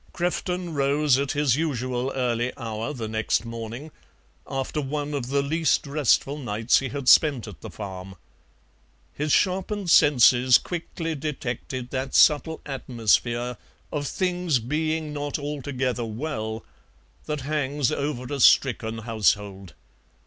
Crefton rose at his usual early hour the next morning, after one of the least restful nights he had spent at the farm. His sharpened senses quickly detected that subtle atmosphere of things being not altogether well that hangs over a stricken household.